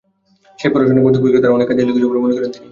সেই পড়াশোনা ভর্তি পরীক্ষায় তাঁর অনেক কাজে লেগেছিল বলে মনে করেন তিনি।